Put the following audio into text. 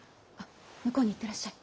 向こうに行ってらっしゃい。